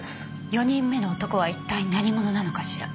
４人目の男は一体何者なのかしら？